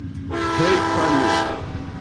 Hej' panjo!